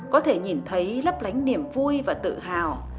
có thể nhìn thấy lấp lánh niềm vui và tự hào